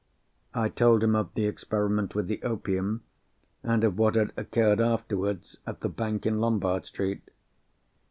I told him of the experiment with the opium, and of what had occurred afterwards at the bank in Lombard Street.